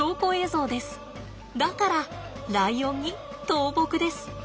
だからライオンに倒木です。